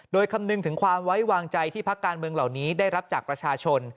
โดยคำนึงถึงความไว้วางใจที่พักการเมืองเหล่านี้ได้รับจากประชาชน